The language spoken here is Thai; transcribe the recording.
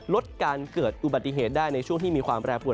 ลดการเกิดอุบัติเหตุได้ในช่วงที่มีความแปรปวน